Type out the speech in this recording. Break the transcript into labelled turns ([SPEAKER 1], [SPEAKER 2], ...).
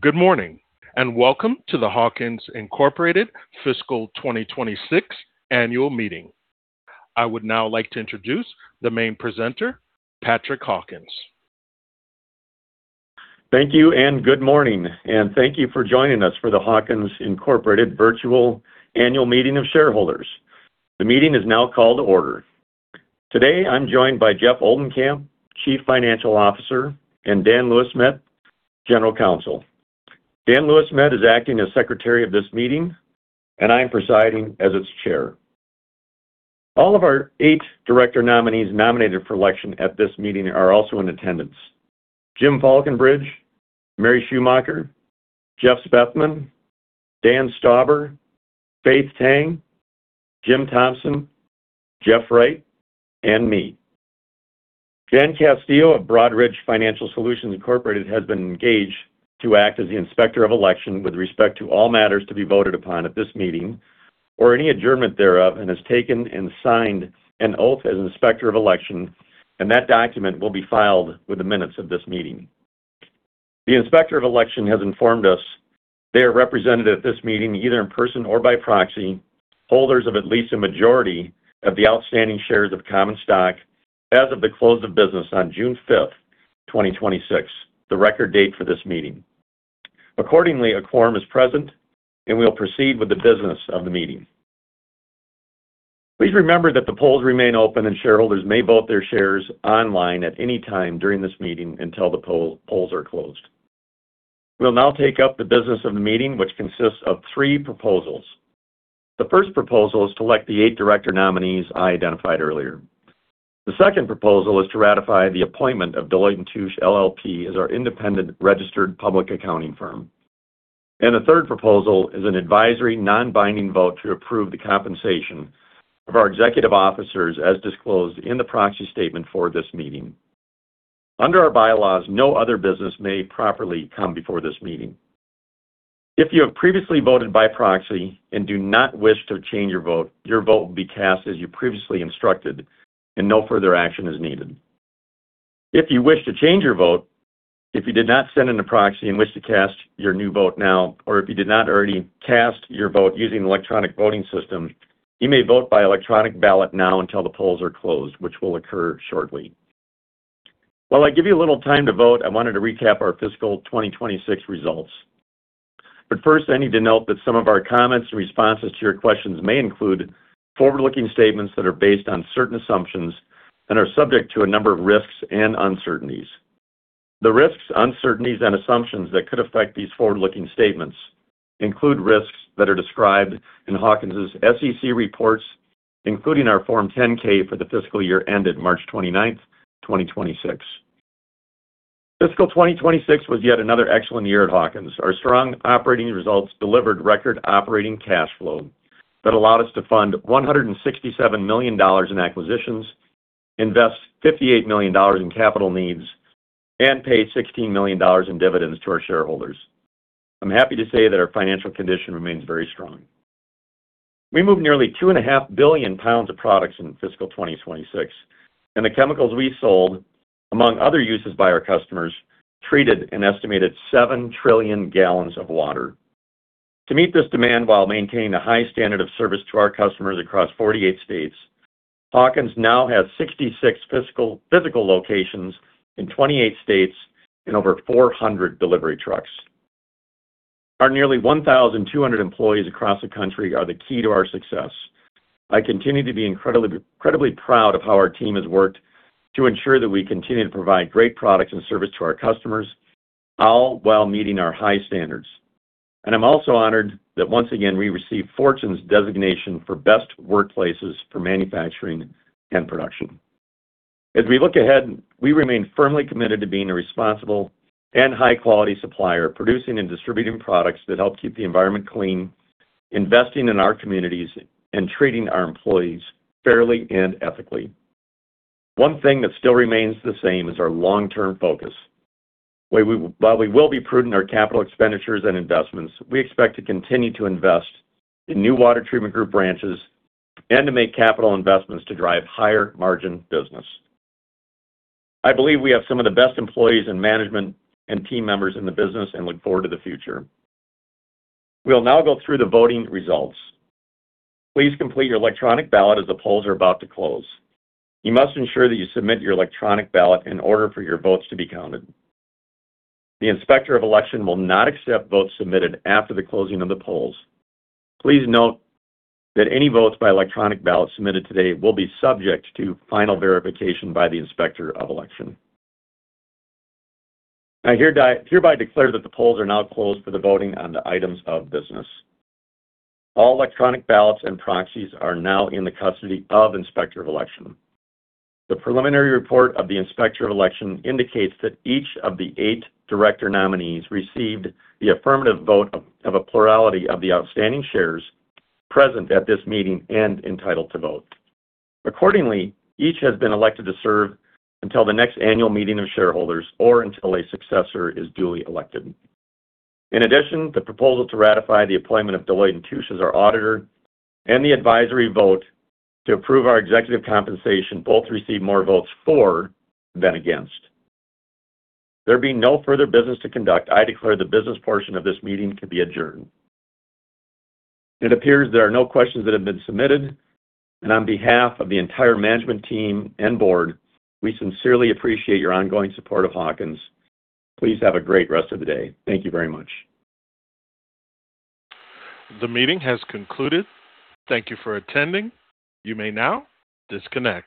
[SPEAKER 1] Good morning, welcome to the Hawkins Incorporated Fiscal 2026 annual meeting. I would now like to introduce the main presenter, Patrick Hawkins.
[SPEAKER 2] Thank you, good morning, thank you for joining us for the Hawkins Incorporated virtual annual meeting of shareholders. The meeting is now called to order. Today, I'm joined by Jeff Oldenkamp, Chief Financial Officer, Dan Louismet, General Counsel. Dan Louismet is acting as Secretary of this meeting, I'm presiding as its Chair. All of our eight director nominees nominated for election at this meeting are also in attendance. Jim Faulconbridge, Mary Schumacher, Jeff Spethmann, Dan Stauber, Faith Tang, Jim Thompson, Jeff Wright, and me. Jan Castillo of Broadridge Financial Solutions Incorporated has been engaged to act as the Inspector of Election with respect to all matters to be voted upon at this meeting or any adjournment thereof and has taken and signed an oath as Inspector of Election, that document will be filed with the minutes of this meeting. The Inspector of Election has informed us they are represented at this meeting, either in person or by proxy, holders of at least a majority of the outstanding shares of common stock as of the close of business on June 5th, 2026, the record date for this meeting. Accordingly, a quorum is present, we will proceed with the business of the meeting. Please remember that the polls remain open, shareholders may vote their shares online at any time during this meeting until the polls are closed. We'll now take up the business of the meeting, which consists of three proposals. The first proposal is to elect the eight director nominees I identified earlier. The second proposal is to ratify the appointment of Deloitte & Touche LLP as our independent registered public accounting firm. The third proposal is an advisory, non-binding vote to approve the compensation of our executive officers as disclosed in the proxy statement for this meeting. Under our bylaws, no other business may properly come before this meeting. If you have previously voted by proxy do not wish to change your vote, your vote will be cast as you previously instructed, no further action is needed. If you wish to change your vote, if you did not send in a proxy wish to cast your new vote now, if you did not already cast your vote using the electronic voting system, you may vote by electronic ballot now until the polls are closed, which will occur shortly. While I give you a little time to vote, I wanted to recap our Fiscal 2026 results. I need to note that some of our comments and responses to your questions may include forward-looking statements that are based on certain assumptions and are subject to a number of risks and uncertainties. The risks, uncertainties, and assumptions that could affect these forward-looking statements include risks that are described in Hawkins' SEC reports, including our Form 10-K for the fiscal year ended March 29th, 2026. Fiscal 2026 was yet another excellent year at Hawkins. Our strong operating results delivered record operating cash flow that allowed us to fund $167 million in acquisitions, invest $58 million in capital needs, and pay $16 million in dividends to our shareholders. I'm happy to say that our financial condition remains very strong. We moved nearly two and a half billion pounds of products in Fiscal 2026, the chemicals we sold, among other uses by our customers, treated an estimated seven trillion gallons of water. To meet this demand while maintaining a high standard of service to our customers across 48 states, Hawkins now has 66 physical locations in 28 states and over 400 delivery trucks. Our nearly 1,200 employees across the country are the key to our success. I continue to be incredibly proud of how our team has worked to ensure that we continue to provide great products and service to our customers, all while meeting our high standards. I'm also honored that once again, we received Fortune's designation for best workplaces for manufacturing and production. As we look ahead, we remain firmly committed to being a responsible and high-quality supplier, producing and distributing products that help keep the environment clean, investing in our communities, and treating our employees fairly and ethically. One thing that still remains the same is our long-term focus. While we will be prudent in our capital expenditures and investments, we expect to continue to invest in new Water Treatment Group branches and to make capital investments to drive higher-margin business. I believe we have some of the best employees and management and team members in the business and look forward to the future. We will now go through the voting results. Please complete your electronic ballot as the polls are about to close. You must ensure that you submit your electronic ballot in order for your votes to be counted. The Inspector of Election will not accept votes submitted after the closing of the polls. Please note that any votes by electronic ballot submitted today will be subject to final verification by the Inspector of Election. I hereby declare that the polls are now closed for the voting on the items of business. All electronic ballots and proxies are now in the custody of Inspector of Election. The preliminary report of the Inspector of Election indicates that each of the eight director nominees received the affirmative vote of a plurality of the outstanding shares present at this meeting and entitled to vote. Accordingly, each has been elected to serve until the next annual meeting of shareholders or until a successor is duly elected. In addition, the proposal to ratify the appointment of Deloitte & Touche as our auditor and the advisory vote to approve our executive compensation both received more votes for than against. There being no further business to conduct, I declare the business portion of this meeting can be adjourned. It appears there are no questions that have been submitted. On behalf of the entire management team and board, we sincerely appreciate your ongoing support of Hawkins. Please have a great rest of the day. Thank you very much.
[SPEAKER 1] The meeting has concluded. Thank you for attending. You may now disconnect.